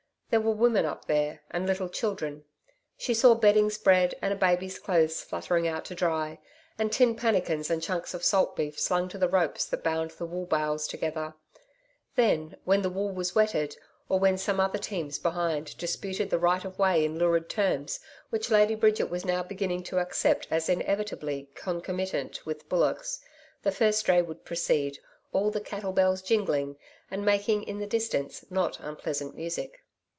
There were women up there and little children. She saw bedding spread and a baby's clothes fluttering out to dry, and tin pannikins and chunks of salt beef slung to the ropes that bound the wool bales together. Then, when the wool was wetted, or when some other teams behind disputed the right of way in lurid terms which Lady Bridget was now beginning to accept as inevitably concomitant with bullocks, the first dray would proceed, all the cattle bells jingling and making, in the distance, not unpleasant music.